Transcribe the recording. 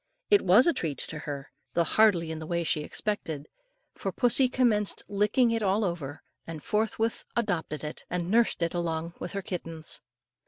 It was a treat to her, though hardly in the way she expected, for pussy commenced licking it all over, and forthwith adopted it, and nursed it along with her kittens.